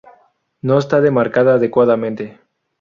No está demarcada adecuadamente.